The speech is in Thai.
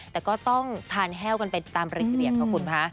แต่ก็ต้องทานแฮลล์กันไปตามประเร็จขอบคุณค่ะ